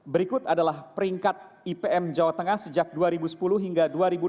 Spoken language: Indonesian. berikut adalah peringkat ipm jawa tengah sejak dua ribu sepuluh hingga dua ribu enam belas